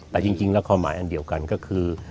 แต่จริงแล้วความหมายอันเดียวกันก็คือ